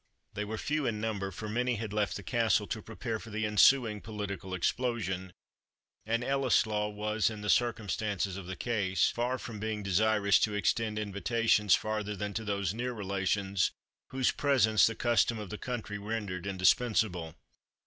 They were few in number; for many had left the castle to prepare for the ensuing political explosion, and Ellieslaw was, in the circumstances of the case, far from being desirous to extend invitations farther than to those near relations whose presence the custom of the country rendered indispensable.